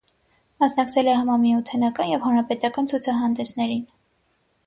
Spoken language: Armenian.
Մասնակցել է համամիութենական և հանրապետական ցուցահանդեսներին։